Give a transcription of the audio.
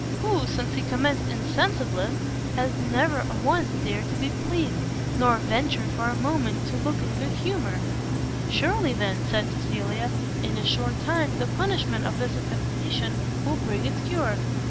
who, since he commenced INSENSIBLIST, has never once dared to be pleased, nor ventured for a moment to look in good humour!" "Surely, then," said Cecilia, "in a short time, the punishment of this affectation will bring its cure."